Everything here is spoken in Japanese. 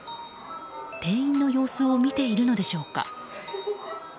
店員の様子を見ているのでしょうか。